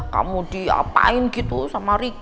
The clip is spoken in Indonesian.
kamu diapain gitu sama ricky